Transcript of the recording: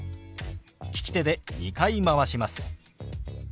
利き手で２回回します。